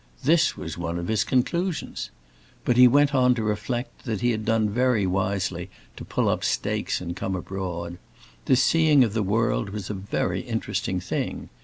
This was one of his conclusions! But he went on to reflect that he had done very wisely to pull up stakes and come abroad; this seeing of the world was a very interesting thing.